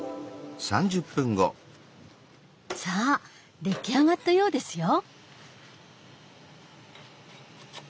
さあ出来上がったようですよ！